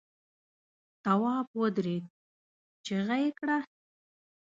تواب ودرېد، چيغه يې کړه!